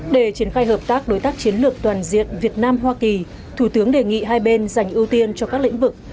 để triển khai hợp tác đối tác chiến lược toàn diện việt nam hoa kỳ thủ tướng đề nghị hai bên dành ưu tiên cho các lĩnh vực